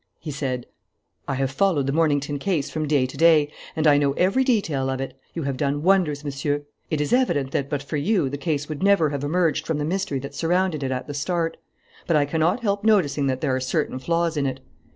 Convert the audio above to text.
He said: "I have followed the Mornington case from day to day and I know every detail of it. You have done wonders, Monsieur. It is evident that, but for you, the case would never have emerged from the mystery that surrounded it at the start. But I cannot help noticing that there are certain flaws in it.